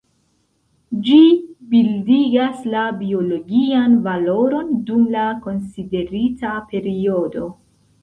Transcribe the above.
Ĝi bildigas la biologian valoron dum la konsiderita periodo.